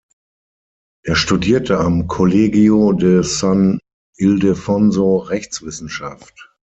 Er studierte am Colegio de San Ildefonso Rechtswissenschaft.